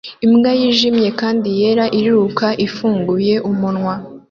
Imbwa yijimye kandi yera iriruka ifunguye umunwa